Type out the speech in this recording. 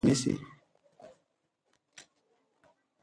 آیا کولمو بکتریاوې د رواني ناروغیو مخه نیسي؟